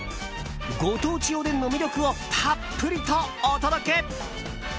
ご当地おでんの魅力をたっぷりとお届け。